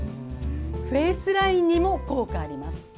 フェースラインにも効果があります。